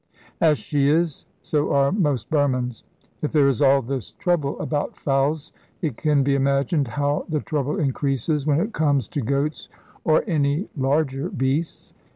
As she is, so are most Burmans. If there is all this trouble about fowls, it can be imagined how the trouble increases when it comes to goats or any larger beasts.